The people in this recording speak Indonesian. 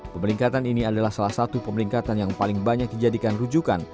pemeringkatan ini adalah salah satu pemeringkatan yang paling banyak dijadikan rujukan